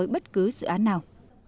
bất cứ dự án nào